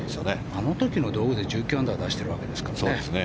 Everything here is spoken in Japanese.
あの時の道具で１９アンダー出してるわけですからね。